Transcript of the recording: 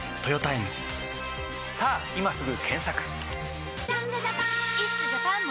さぁ今すぐ検索！